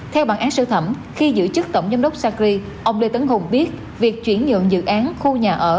theo bản án sơ thẩm khi giữ chức tổng giám đốc sacri ông lê tấn hùng biết việc chuyển nhượng dự án khu nhà ở